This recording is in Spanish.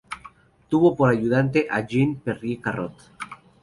Tuvo por ayudante a Jean-Pierre Cortot.